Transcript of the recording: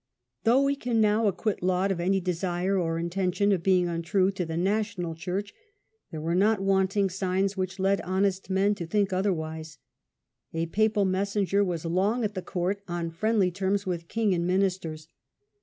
Though we can now acquit Laud of any desire or intention of being untrue to the national church, there were not wanting signs which led honest men to think otherwise. A papal messenger was long at the court on friendly terms with king and ministers.